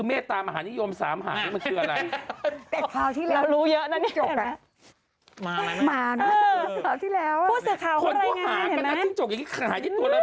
มันมีสามหางต่างนี่นะ